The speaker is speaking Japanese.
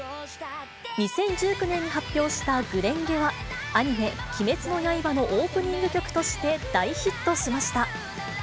２０１９年に発表した紅蓮華は、アニメ、鬼滅の刃のオープニング曲として大ヒットしました。